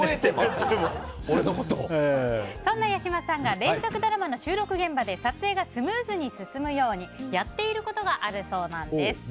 そんな八嶋さんが連続ドラマの収録現場で撮影がスムーズに進むようにやっていることがあるそうです。